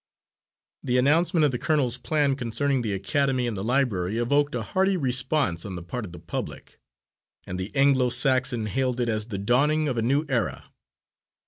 The announcement of the colonel's plan concerning the academy and the library evoked a hearty response on the part of the public, and the Anglo Saxon hailed it as the dawning of a new era.